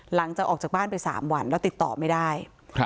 หลังจากออกจากบ้านไป๓วันแล้วติดต่อไม่ได้